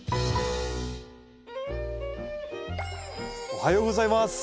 おはようございます。